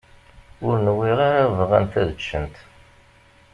Ur nwiɣ ara bɣant ad ččent.